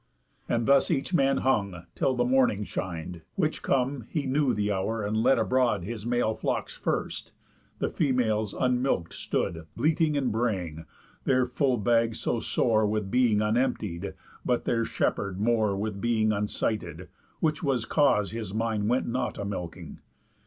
And thus each man hung, till the morning shin'd; Which come, he knew the hour, and let abroad His male flocks first, the females unmilk'd stood Bleating and braying, their full bags so sore With being unemptied, but their shepherd more With being unsighted; which was cause his mind Went not a milking.